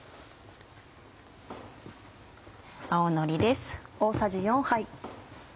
青のりです。